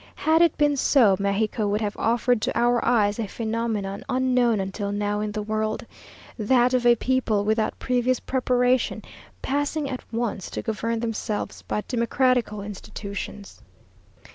Had it been so, Mexico would have offered to our eyes a phenomenon unknown until now in the world that of a people, without previous preparation, passing at once to govern themselves by democratical institutions."